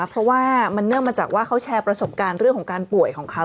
เพราะว่ามันเนื่องมาจากว่าเขาแชร์ประสบการณ์เรื่องของการป่วยของเขา